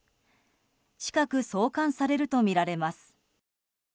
近く送還されるとみられます。